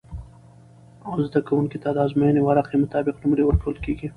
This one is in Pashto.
زده کوونکو ته د ازموينې ورقعی مطابق نمرې ورکول کیږی